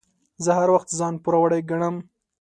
زه هر وخت ځان پوروړی ګڼم.